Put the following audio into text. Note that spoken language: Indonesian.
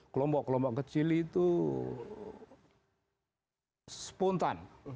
kelompok kelompok kecil itu spontan